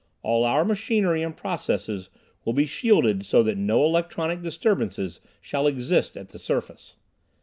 All our machinery and processes will be shielded so that no electronic disturbances will exist at the surface.